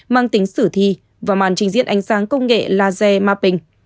mang tính sử thi và màn trình diễn ánh sáng công nghệ laser maping